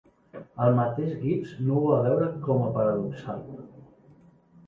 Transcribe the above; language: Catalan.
El mateix Gibbs no ho va veure com a paradoxal.